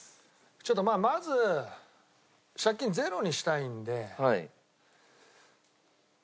ちょっとまず借金ゼロにしたいんで。